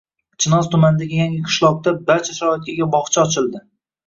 Chinoz tumanidagi yangi qishloqda barcha sharoitga ega bog‘cha ochildi